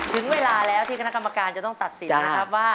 ถึงเวลาแล้วที่คณะกรรมการจะต้องตัดสินนะครับว่า